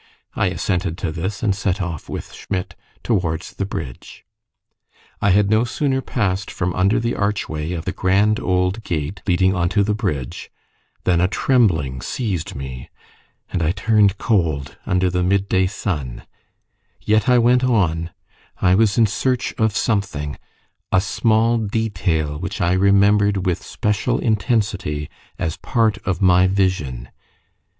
I assented to this, and set off with Schmidt towards the bridge. I had no sooner passed from under the archway of the grand old gate leading on to the bridge, than a trembling seized me, and I turned cold under the midday sun; yet I went on; I was in search of something a small detail which I remembered with special intensity as part of my vision.